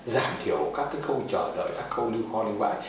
giảm thiểu các khâu trở đợi các khâu lưu kho liên quan